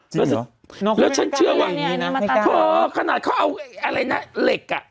จริงเหรอแล้วฉันเชื่อว่าเอ่อขนาดเขาเอาอะไรนะเหรกอ่ะ